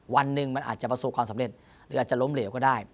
วันหนึ่งมันอาจจะประสบความสำเร็จหรืออาจจะล้มเหลวก็ได้